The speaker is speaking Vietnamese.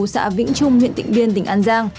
xã vĩnh trung huyện tịnh biên tỉnh an giang